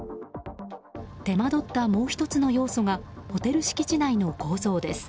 手間取ったもう１つの要素がホテル敷地内の構造です。